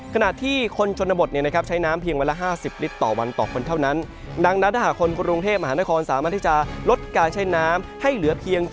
ขณะที่คนชนบทใช้น้ำเพียงวันละ๕๐ลิตรต่อวันต่อคนเท่านั้นดังนั้นถ้าหากคนกรุงเทพมหานครสามารถที่จะลดการใช้น้ำให้เหลือเพียง